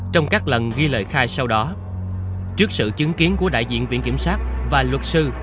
trong các lần ghi lời khai sau đó trước sự chứng kiến của đại diện viện kiểm sát và luật sư